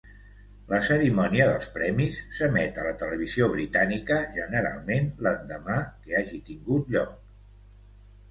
La cerimònia dels Premis s'emet a la televisió britànica, generalment l'endemà que hagi tingut lloc.